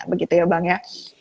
begitu ya bang ya